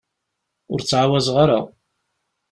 Ur ttɛawazeɣ ara.